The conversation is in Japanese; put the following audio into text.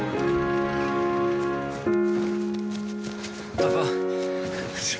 パパ。